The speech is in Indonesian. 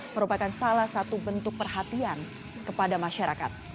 merupakan salah satu bentuk perhatian kepada masyarakat